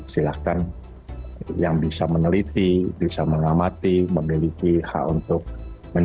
silahkan yang bisa meneliti bisa mengamati memiliki hak untuk mencari